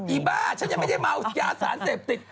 อ้าฉันยังไม่ได้เมายาสารเสพติด